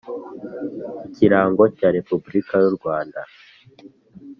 ikirango cya Repubulika y u Rwanda